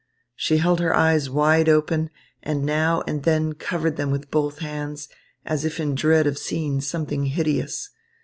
She held her eyes wide open, and now and then covered them with both hands, as if in dread of seeing something hideous.